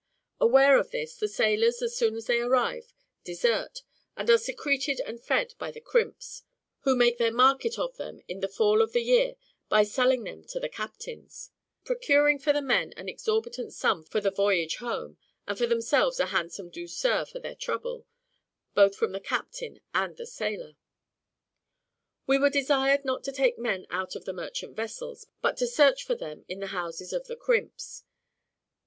Aware of this, the sailors, as soon as they arrive, desert, and are secreted and fed by the crimps, who make their market of them in the fall of the year by selling them to the captains; procuring for the men an exorbitant sum for the voyage home, and for themselves a handsome douceur for their trouble, both from the captain and the sailor. We were desired not to take men out of the merchant vessels, but to search for them in the houses of the crimps.